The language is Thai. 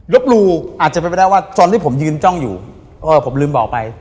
บลู่อาจจะเป็นไปได้ว่าตอนที่ผมยืนจ้องอยู่เออผมลืมบอกไป